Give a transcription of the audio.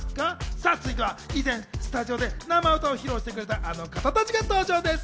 さぁ、続いては以前、スタジオで生技を披露してくれた、あの方達が登場です。